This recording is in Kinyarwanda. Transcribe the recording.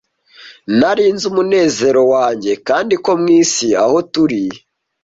nari nzi umunezero wanjye kandi ko mwisi aho turi